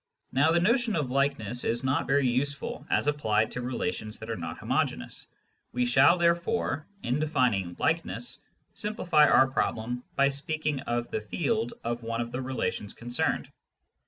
Now the notion of likeness is not very useful as applied to relations that are not homogeneous ; we shall, therefore, in defining likeness, simplify our problem by speaking of the " field " of one of the relations concerned.